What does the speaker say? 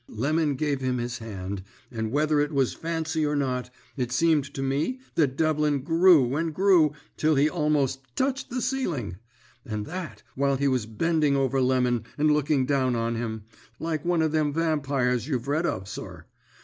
"Lemon gave him his hand, and whether it was fancy or not, it seemed to me that Devlin grew and grew till he almost touched the ceiling; and that, while he was bending over Lemon and looking down on him, like one of them vampires you've read of, sir.